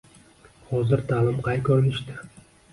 Hozir ta’lim qay ko‘rinishda?